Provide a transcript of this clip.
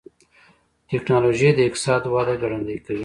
ټکنالوجي د اقتصاد وده ګړندۍ کوي.